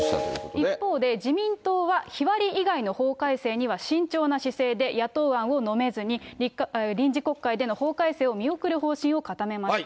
一方で自民党は日割り以外の法改正には慎重な姿勢で、野党案をのめずに、臨時国会での法改正を見送る方針を固めました。